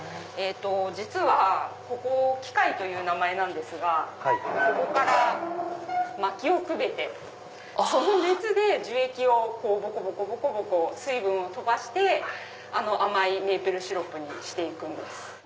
実は機械という名前なんですがここからまきをくべてその熱で樹液をぼこぼこ水分を飛ばしてあの甘いメープルシロップにしていくんです。